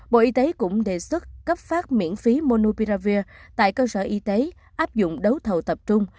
bộ y tế cũng đề xuất cấp phát miễn phí monoupiravir tại cơ sở y tế áp dụng đấu thầu tập trung